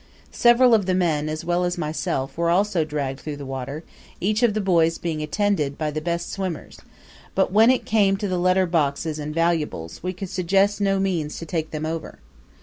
Several of the men, as well as myself, were also dragged through the water; each of the boys being attended by the best swimmers; but when we came to the letter boxes and valuables, we could suggest no means to take them over.